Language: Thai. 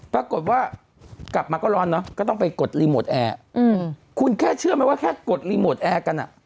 ปรากฏว่ากลับมาก็ร้อนเนอะก็ต้องไปกดรีโมทแอร์คุณแค่เชื่อไหมว่าแค่กดรีโมทแอร์กันอ่ะ